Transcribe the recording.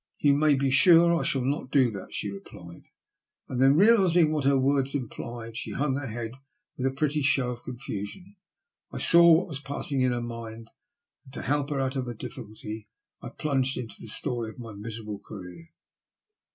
*' ''You may be sure I shall not do that/' she replied ; and then realising what her words implied, she hung her head with a pretty show of confusion. I saw what was passing in her mind, and to help her out of her difficulty plunged into the story of my miserable career.